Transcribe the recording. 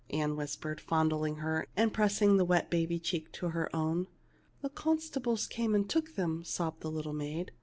Ann whispered; fondling her, and pressing the wet baby cheek to her own. " The constables came and took them," sobbed the little maid.